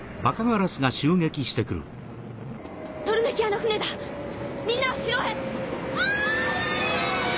トルメキアの船だみんなを城へ！